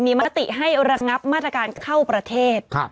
มีมติให้ระงับมาตรการเข้าประเทศ